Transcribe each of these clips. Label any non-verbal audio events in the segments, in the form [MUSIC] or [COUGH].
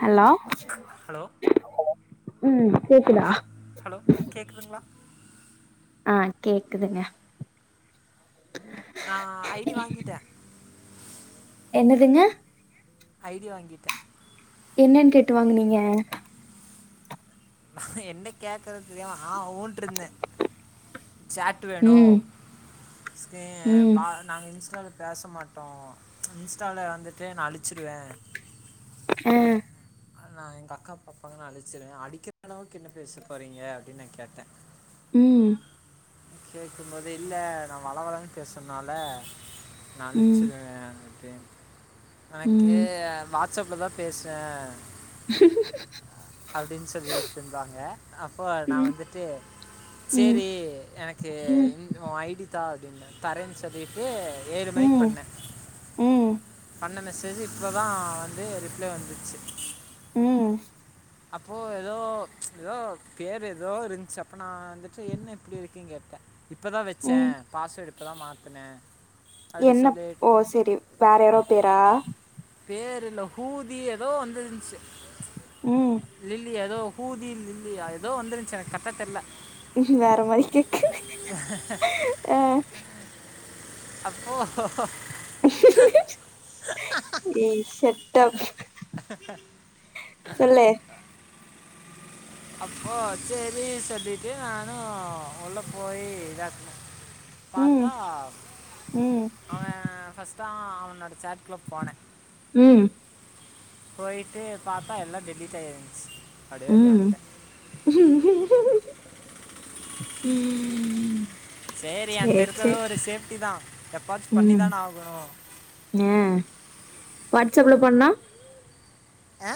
Hello hello ம் கேக்குதா hello கேக்குதுங்ளா ஆ கேக்குதுங்க நா ஐ டி வாங்கிட்டே என்னதுங்க ஐ டி வாங்கிட்ட என்னன்னு கேட்டு வாங்குனீங்க என்ன கேக்கறது தெரியாம ஆ ஊன்டுருந்தே சேட் வேணு ம் ஸ்கே ம் நாங்க இன்ஸ்டால பேச மாட்டோ இன்ஸ்டால வந்துட்டு நா அழிச்சிருவே ம் நா எங்க அக்கா பாப்பாங்கனு நா அழிச்சிருவே அடிக்கிற அளவுக்கு என்ன பேச போறீங்க அப்டின்னு நா கேட்டே ம் கேக்கும்போது இல்ல நா வளவளன்னு பேசுனால நா ம் அழிச்சிருவே அப்டின் நா கே ம் வாட்ஸ்அப்ல தா பேசுவே [INAUDIBLE] அப்டின்னு சொல்லிட்டுருந்தாங்க அப்போ நா ம் ம் வந்துட்டு ம் சேரி எனக்கு ம் உ ஐ டி தா அப்டின்னே தரேன்னு சொல்லிட்டு ஏழு மணிக்கு ம் பண்ணே ம் பண்ண மெஸ் சேசு இப்ப தா வந்து ரிப்ளே வந்துச்சு ம் அப்போ எதோ எதோ பேரு எதோ இருந்துச்சு அப்ப நா வந்துட்டு என்ன இப்டி இருக்குன்னு கேட்டே இப்ப தா வச்சே ம் பாஸ்வேர்டு இப்போ தா மாத்துனே என்னப் ஓ செரி வேற யாரோ பேரா பேருல ஹூதி ஏதோ வந்துருன்ச்சு ம் லில்லியா ஏதோ ஹூதி லில்லியா ஏதோ வந்துருன்ச்சு எனக்கு கரக்ட்டா தெர்ல வேற மாரி கேக்குது ஆ அப்போ இ செட் அப் சொல்லு அப்போ சேரி சொல்லிட்டு நானு உள்ள போயி இதாக்குன ம் பாத்தா ம் அவன் ஃபஸ்ட்டு அ அவனோட சேட்க்குள்ள போன ம் போயிட்டு பாத்தா எல்லா டெலீட் ஆயிருஞ்சி அப்டியே வெளிய ம் வன்ட ம் சேரி ஏன்ட இருக்கிறது ஒரு சேஃப்டி தா எப்பாச்சு பண்ணி தான ஆகணு ஏ வாட்ஸ்அப்ல பண்ணா ஆ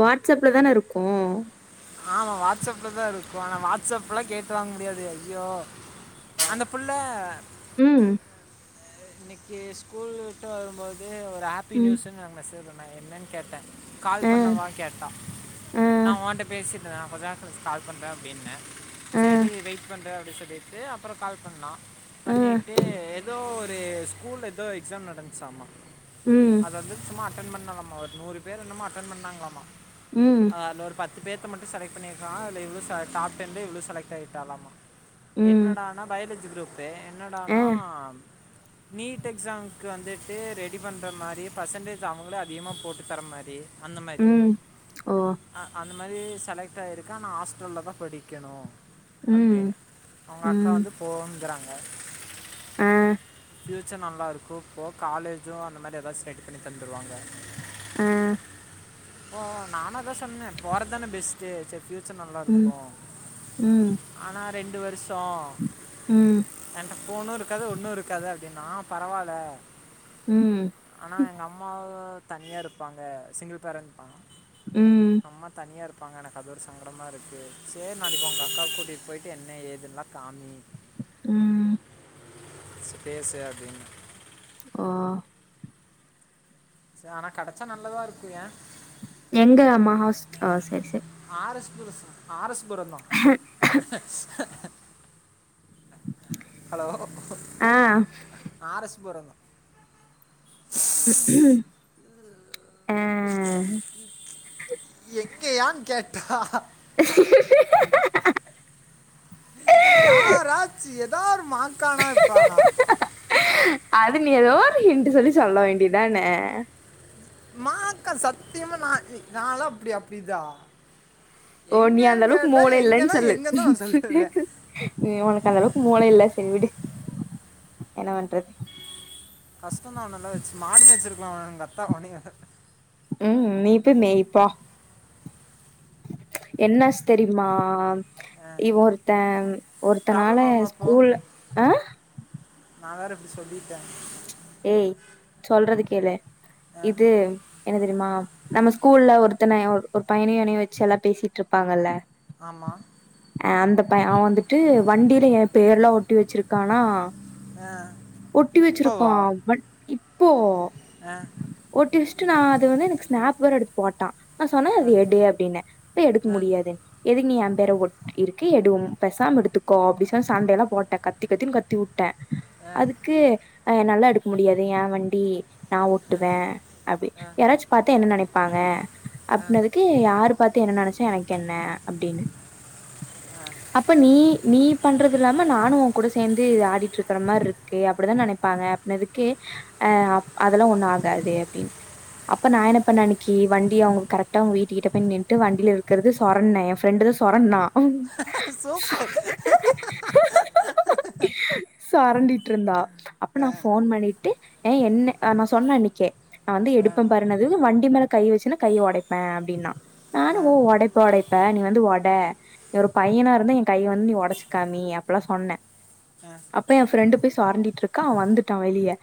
வாட்ஸ்அப்ல தான இருக்கோ ஆமா வாட்ஸ்அப்லதா இருக்கு ஆனா வாட்ஸ்அப்லா கேட்டு வாங்க முடியாது ஐயோ அந்த புள்ள ம் இன்னைக்கி ஸ்கூல் விட்டு வரும்போது ஒரு ஹாப்பி ம் நியூஸுன்னு மெசேஜ் பண்ணாங்க என்னன் கேட்ட கால் ஆ பண்ணவா கேட்டா ஆ நா ஓன்ட்ட பேசிடுருந்த நா கொஞ்ச நேர கழிச்சு கால் பண்ற அப்டின்ன ஆ செரி வெயிட் பண்ற அப்டின்னு சொல்லிட்டு அப்புற கால் பண்ணா ஆ பண்ணிட்டு ஏதோ ஒரு ஸ்கூல்ல ஏதோ எக்ஸாம் நடந்துச்சாமா ம் அத வந்து சும்மா அட்டென்ட் பண்ணலாமா ஒரு நூறு பேர் என்னமோ அட்டென்ட் பண்ணாங்களாமா ம் அ அதுல ஒரு பத்து பேத்த மட்டு செலக்ட் பண்ணிருக்காங்க இதுல இவ்ளு டாப் டென்ல இவ்ளு செலக்ட் ஆயிட்டாலாமா ம் என்னடானா பயாலஜி குரூப்பு ஆ என்னடனா [INAUDIBLE] நீட் எக்ஸாம்க்கு வந்துட்டு ரெடி பண்ற மாரி பர்சன்டேஜ் அவுங்களே அதிகமா போட்டு தர மாரி அந்த மாரி ம் ஓ அந்த மாரி செலெக்ட் ஆயிருக்கா நா ஹாஸ்டல்ல தா படிக்கணு ம் அப்டின் அவுங்க அக்கா ம் வந்து போங்குறாங்க ஆ ஃப்யூச்சர் நல்லாருக்கு இப்போ காலேஜு அந்த மாரி எதாவது செலக்ட் பண்ணி தந்துருவாங்க ஆ ஓ நானோ அதா சொன்ன போறது தான பெஸ்ட்டு சேர் ஃபியூ ச்சர் ம் நல்லாருக்கு ம் ஆனா ரெண்டு வருஷோ ம் என்ட போனு இருக்காது ஒண்ணு இருக்காது அப்டின்னா பரவால ம் ஆனா எங்க அம்மா வா தனியா இருப்பாங்க சிங்கிள் பேரன்ட் தா ம் அம்மா தனியா இருப்பாங்க எனக்கு அது ஒரு சங்கடமா இருக்கு சேரி நாளிக்கு உங்க அக்காவ கூட்டிட் போயிட்டு என்ன ஏதுனா காமி ம் செரி பேசு அப்டின்ன ஓ [UNINTELLIGIBLE] ஆனா கடைச்சா நல்லதா இருக்கும் யா எங்க அம்மா ஹாஸ் ஹ சரி சரி ஆர் எஸ் புரொ சார் ஆர்எஸ்புரம் தான். [UNINTELLIGIBLE] [UNINTELLIGIBLE] ஹலோ ஆ ஆர் எஸ் புறம் ஆ எங்க யான் கேட்டா [UNINTELLIGIBLE] யாராச்ச ஏதா ஒரு மாங்கானாப்பானா அது நீ ஏதோ ஒரு ஹின்டு சொல்லி சொல்ல வேண்டியதானே மாக்க சத்தியமா நா நாளா அப்டி அப்டிதா ஓ நீ அந்த அளவுக்கு மூளை இல்லன்னு எங்கன்னா சொல்லு எங்கன்னு தான் நான் சொல்லுவேன் நீ உனக்கு அந்த அளவுக்கு மூளை இல்ல சரி விடு என்ன பண்றது கஷ்டம் தான் உன்னல்லா வச்சு மாடு மேச்சிருக்கலான் எங்கத்தா ஒனிய உம் நீ போய் மேய்ப் போ என்னாச்சு தெரியுமா இவ ஒருத்த ஒருத்தனாள ப்ராப்ளம் ஆகுமா ஸ்கூல் அ நா வேற இப்டி சொல்லிட்டேன் ஏய் சொல்றது கேளு ஆ இது என்ன தெரியுமா நம்ம ஸ்கூல்ல ஒருத்தனை ஒரு பையனியு என்னையு வச்சு எல்லாம் பேசிட்டு இருப்பாங்கல்ல ஆமா அ அந்த பையன் அவன் வந்துட்டு வண்டியில என் பேர் எலாம் ஒட்டி வச்சிருக்கானா ஆ ஒட்டி இப்போ வச்சிருக் வா வட் இப்போ ஆ ஓட்டி வச்சட்டு நா அது வந்து எனக்கு ஸ்னாப் வேற எடுத்து போட்டான் நா சொன்னேன் அத ஆ எடு அப்படின்ன அது எடுக்க ஆ முடியாதுன்னு எதுக்கு நீ என் பேர ஒட் இருக்கு எடு பேசாம எடுத்துக்கோ அப்படி சொன் சண்டை எல்லாம் போட்ட கத் கத்தி கத்தினு கத்தி விட்டே ஆ அதுக்கு அ என்னாலலா எடுக்க முடியாது யா வண்டி நா ஒட்டுவேன் அப்படி யாராச்சும் பாத்தா என்ன நினைப்பாங்க அப்ட்னதுக்கு யாரு பாத்து என்ன நினைச்சா எனக்கு என்ன அப்படின்னு அப்ப நீ நீ பண்றது இல்லாம நானும் உன் கூட சேர்ந்து ஆடிட்டு இருக்கற மாதிரி இருக்கே அப்படிதான் நினைப் பாங்க அப்பனதுக்கு அ அதெல்லாம் ஒண்ணும் ஆகாது அப்படின்னு அப்ப நா என்னப்ப நன்னைக்கு வண்டி அவங்க கரெக்டா அவங்க வீட்டு கிட்டே நின்னுட்டு வண்டியில இருக்கிறது சொரண்டுன என் ஃப்ரெண்டு தா சொரண்ணா சூப்பர் சுரண்டிட்டு இருந்தா அ அப்போ நான் ஃபோன் பண்ணிட்டு என்ன நா சொன்னன் அன்னைக்கே நா வந்து எடுப்ப பாரு ன்னதுக்கு வண்டி மேல கை வச்சனா கைய ஒடைப்பேன் அப்டின்னா நானும் ஓ ஒடைப் ப ஒடைப்ப நீ வந்து ஒட ஒரு பையனா இருந்தா என் கையை வந்து நீ ஒடச்சுக்காமி அப்ட்ல்லாம் சொன்ன ஆ அப்ப என் ஃப்ரெண்டு போய் சுரண்டிட்டு இருக்கா அவன் வந்துட்டான் வெளியே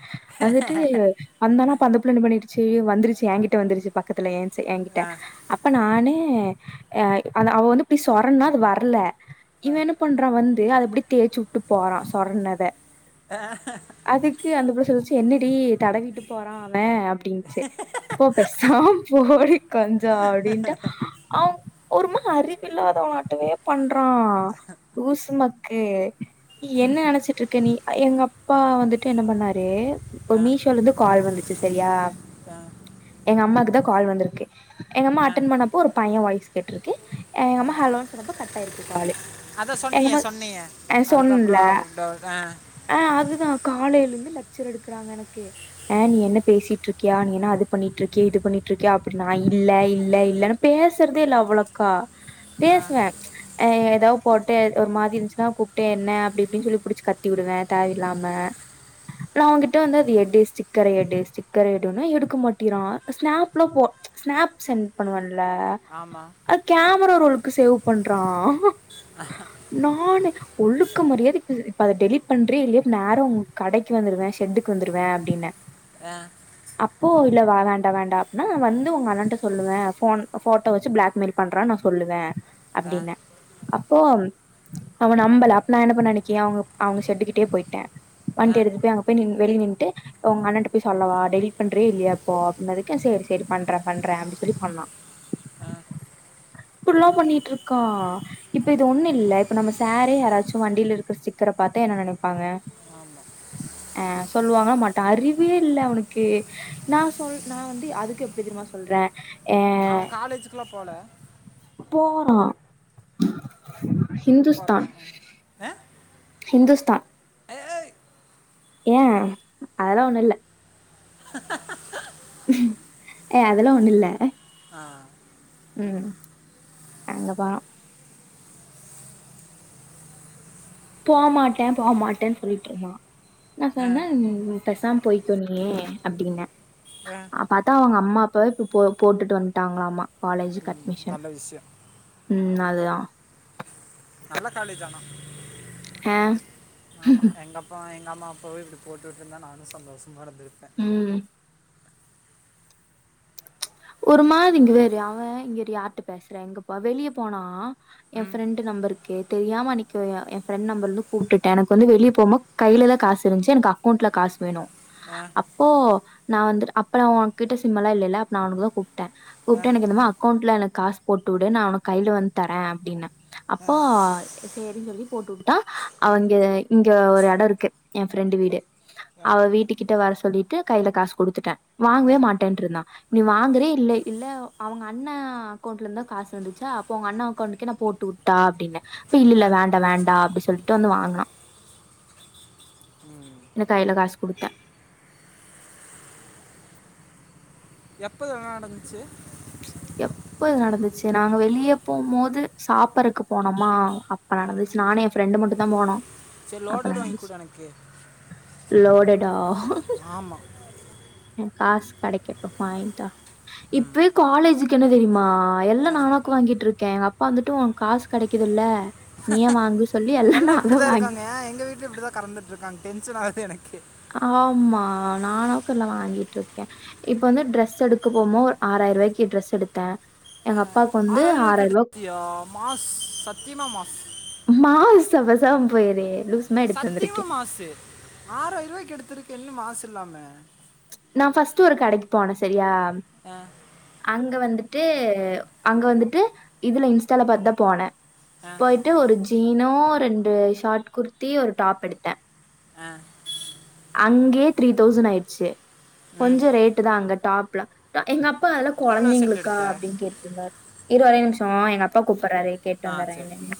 வந்துட்டு வந்தானா அப்ப அந்த பிள்ள என்ன பண்ணிடுச்சு வந்துருச்சு ஏங்க்கிட்ட வந்துருச்சு பக்கல ஏ சை என்க்கிட்ட அப்ப நானே அ ஆனா அவ வந்து இப்டி சொரன்னா அது வர்ல இவன் என்ன பண்றான் வந்து அத இப்டி தேச்சுட்டு போறான் சொரன்னத ஆ அதுக்கு அந்த புள்ள சொல்ச்சு என்னடி தடவிட்டு போறான் அவன் அப் டின்ச்சு போ பெசாம் போடி கொஞ்சோ அப்டின்ட்டு அவ் ஒருமா அறிவில்லாதவமாட்டுமே பண்றான் லூசு மக்கு என்ன நெனச்சிட்ருக்க நீ அ எங்க அப்பா வந்துட்டு என்ன பண்ணாரு ஒ மீஷோலந்து கால் வந்து ச்சு சரியா இதா எங்க அம்மாக்குதா கால் வந்துருக்கு எங்க அம்மா அட்டென் பண்ண ஒரு பையன் வாய்ஸ் கேட்ருக்கு எ எங்க அம்மா ஹலோன் சொன்னப்போ கட்டாயிருக்கு காலு அதா சொன்னியே எங்கம்மா சொன்னியே ஆ அதுக்கப்புறோ சொன்னேன்ல அவ்ளோதா ஆ அதுதா காலேலுந்து லக்சர் எடுக்குறாங்க எனக்கு ஆ நீ என்ன பேசிட்ருக்கியா நீ என்ன அது பண்ணிட்ருக்கு இது பண்ணிட்ருக்கியா அப்புடி நா இல்ல இல்ல இல்லனு பேசறதே இல்ல அவுளக்கா ஆ, பேசுவ அ எதோ போட்டு ஒரு மாரி இருந்சுனா கூப்ட்டு என்ன அப்டி இப்டின் சொல்லி புடிச்சு கத்தி உடுவே தாவின் இல்லாம நா அவன்கிட்ட வந்து அது எடு ஸ்டிக்கர எடு ஸ்டிக்கர எடுன்னா எடுக்க மாட்டிரான் ஸ்நாப்ல போ ஸ்னாப் சென் பண்ணுவன்ல ஆமா அது கேமரா ரோள்க்கு சேவ் பண்றான் ஆஹா நானு ஒழுக்கு மரியாதியா இப் அத இப்ப அத டெலிட் பண்றிய் இல்லயா நேரா உன் கடைக்கு வந்துருவ ஷெட்டுக்கு வந்துருவ அப்டின்ன ஆ அப்போ இல்ல வேண்டாடா வேண்டா அப்னா வந்து உங்க அண்ணன்ட்ட சொல்லுவ ஃபோன் ஃபோட்டோ வச்சு பிளாக்மெய்ல் பண்றான் நான் சொல்லுவே ஆ, அப்டின்ன அப்போ அவுன் அவன் நம்பல அப் நான் என்ன பண்ண அன்னிக்கி அவ்ங்க அவ்ங்க ஷெட்டுக்கிட்டுயே போய் ட்ட ஆ, வண்டி எடுத்துட் போய் அங்க போய் நின் வெளிய நின்ட்டு ஒங் அண்ணன்ட்ட போய் சொல்லவா டெலிட் பண்றியா இல்லயா இப்போ அப்புனதுக்கு சேரி சேரி பண்ற பண்ற அப்டி சொல்லி பண்ணான் அ இப்புல்லா பண்ணிட்ருக்கான் இப்ப இது ஒன்னு இல்ல இப்ப நம்ம சாரே யாராச்சு வண்டில இருக்க ஸ்டிக்கர பாத்தா என்ன நெனைப்பாங்க அ சொல்லுவாங்ளா மாட்டாங்க அறிவே இல்ல அவனுக்கு நா சொல் நான் வந்து அதுக்கு எப்டி தெரிமா சொல்ற அவன் காலேஜூக்குலா போல போறான் ஹிந்துஸ்தான் போகிறான் ஹிந்துஸ்தான் எ ஏய் ஏன் அதெல்லா ஒன்னுல்ல ஏ அதெல்லா ஒன்னுல்ல ஆ ம் அங்கதா போ மாட்டேன் போ மாட்டேன் சொல்லிட்ருந்தா நா ஆ, சொன்ன நீ பெசாம் போய்கோ நீ அப்டின்ன ஆ. பாத்தா அவங்க அம்மா அப்பாவே போட்டுட்டு வந்துட்டாங்களாம்மா காலேஜ் க ம், அட்மிஷன் நல்ல விஷயம் ம் அதுதான் நல்ல காலேஜ் ஆனா ஆ ஆமா எங்க அப்பா எங்க அம்மா அப்பாவே இப்டி போட்டு விட்டுருந்தா நானும் சந்தோஷமா இருந்திருப்பேன் ம் ஒரு மாதி இங்க வேற அவன் இங்க யாரிட்ட பேசுற இங்க போ வெளியே போனா என் ம் ஃப்ரெண்டு் நம்பருக்குே தெரியாம அந்நிக்கு என் ஃப்ரெண்ட் நம்பர்லு கூப்பிட்டேன் எனக்கு வந்து வெளியே போமோ கையில த காசு இருந்துச்சு எனக்கு அக்கௌண்ட்ல காசு வேணும் ஆ அப்போ நான் வந்து அப்பேல உன்கிட்ட கிட்ட சிம்ம எல்லா இல்லல்ல நான் உனக்கு தான் கூப்பிட்டேன் ஆ கூப்பிட்டேன் எனக்கு இந்த மா அக்கௌண்ட்ல எனக்கு காசு போட்டுவிடு நான் உனக்கு கையில வந்து தரேன் அப்டின்ன ஆ அப்போ சேரின்னு சொல்லி போட்டு வுட்டுடா அவன் இங்க இங்க ஒரு எடம் இருக்கு என் ஃப்ரெண்டு வீடு ஆ அவ வீட்டுக்கிட்ட வர சொல்லிட்டு கையில காசு குடுத்துட்டேன் வாங்கவே ஆ மாட்டேன்ட்டு இருந்தான் நீ வாங்குறே இல்ல இல்லா அவங்க அண்ணா அக்கௌண்ட்ல இருந்தான் காசு வந்துச்சா அப்போ உன் அண்ணன் அக்கௌண்ட்டக்கே நான் போட்டு வுட் டா அப்டின்னே இப்ப இல்ல இல்ல ஆ வேண்டா வேண்டாம் அப்டின்னு சொல்ட்டு வந்து வாங்கினா ம் ன்னு கையில காசு கொடுத்தன் எப்போ இதல நடந்துச்சு எப் எப்போ இது நடந்துச்சு நாங்க வெளியே போகும்போது சாப்பாடுறக்கு போனோமா அப்ப ஆ, நடந்துச்சு நானே ஃப்ரெண்டு மட்டும் தான் போனோம் சரி அப்ப லோடர் வாங்கி நடந்துச்சு கொடு எனக்கு லோடடா ஆமா என் காசு கடைக்கட்டும் வாங்கிதா ம் இப்பவே காலேஜ் இதுக்கு என்ன தெரியுமா எல்லா நானா புக்கு வாங்கிட்டு இருக்கேன் அப்பா வந்துட்டு காசு கடைக்குதுல்லே நீயே வாங்கு சொல்லி எல்லாம் எல்லா நான் இப்டி தான் வாங்கி இருக்காங்க ஆ எங்க வீட்டுல இப்டி தான் கறந்துட்டு இருக்காங்க டென்ஷன் ஆகுது எனக்கு ஆமா நானாக்கு எல்லா வாங்கிட்டு இருக்கேன் இப்ப வந்து டிரெஸ் எடுக்க போமோ ஆறாயிர ரூவாய்க்கு டிரெஸ் எடுத்தேன் எங்க அப்பாவுக்கு வந்து ஆறாயிர ரூ. ரூவாய்க்கு எடுத்திய மாஸ் சத்தியமா மாஸ் மாஸ் அ பேசம போய்று சத்தியமா மாஸ் ஆறாயிர ரூவாய்க்கு எடுத்திருக்கு என்ன மாஸ் இல்லாம நான் ஃபர்ஸ்ட் ஒரு கடைக்கு போனே சரியா அ அங்க வந்துட்டு அங்க வந்துட்டு இதுல இன்ஸ்டால பாத்துதான் போன ஆ, போயிட்டு ஒரு ஜீனோ ரெண்டு ஷார்ட் குர்த்தி ஒரு டாப் எடுத்தேன் ஆ, அங்கே த்ரீ தௌசண்ட் ஆயிடுச்சு ம் கொஞ்சொ ரேட்டு தான் அங்க டாப்ல எங்க அப்பால எவ்வளோ செட் கொழந்தைங்களுக்கா எடுத்த அப்டின்னு கேட்டுருந்தாரு இரு ஒரே நிமிஷம் எங்க அப்பா கூப்பிறாரு கேட்டு ஆ வந்தறேன் சரி என்னன்னு